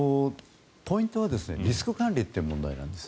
ポイントはリスク管理という問題なんです。